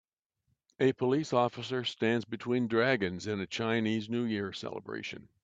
A police officer stands between dragons in a Chinese New Year celebration